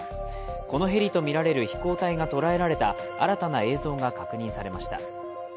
このヘリとみられる飛行体が捉えられた新たな映像が確認されました。